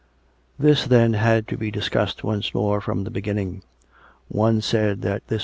This, then, had to be discussed once more from the begin ning. One said that this